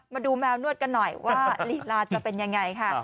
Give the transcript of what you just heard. มาดูแมวนวดกันหน่อยว่าลีลาจะเป็นยังไงค่ะ